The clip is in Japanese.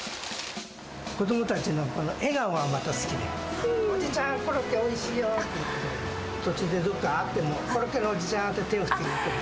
子どもたちのこの笑顔がまた好きで、おじちゃん、コロッケおいしいよって言って、途中でどっか会っても、コロッケのおじちゃんって手を振ってくれる。